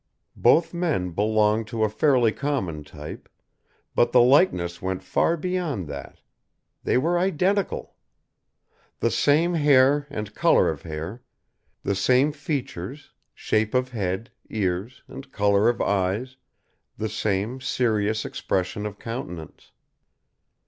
Both men belonged to a fairly common type, but the likeness went far beyond that they were identical. The same hair and colour of hair, the same features, shape of head, ears and colour of eyes, the same serious expression of countenance.